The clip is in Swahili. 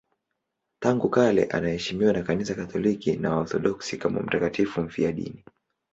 Tangu kale anaheshimiwa na Kanisa Katoliki na Waorthodoksi kama mtakatifu mfiadini.